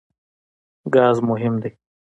ګاز مهم دی.